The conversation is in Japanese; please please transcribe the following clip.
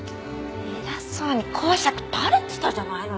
偉そうに講釈垂れてたじゃないのよ？